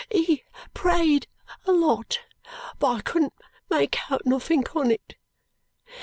He prayed a lot, but I couldn't make out nothink on it.